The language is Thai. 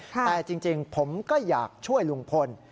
แต่จริงผมก็อยากช่วยลุงพล